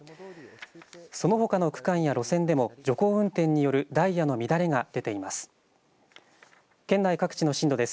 そのほかの区間や路線でも徐行運転によるダイヤの乱れが出ています。